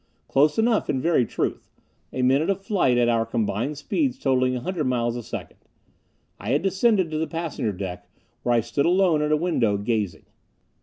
Close enough, in very truth a minute of flight at our combined speeds totaling a hundred miles a second. I had descended to the passenger deck, where I stood alone at a window, gazing.